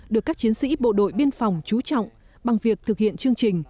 được các chiến sĩ bộ đội biên phòng trú trọng bằng việc thực hiện chương trình